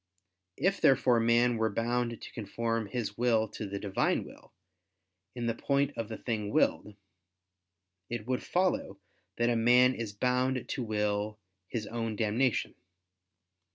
If therefore man were bound to conform his will to the Divine will, in the point of the thing willed, it would follow that a man is bound to will his own damnation.